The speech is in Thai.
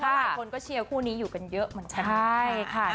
ถ้าหลายคนก็เชียวครูนี้อยู่กันเยอะเหมือนอาจารย์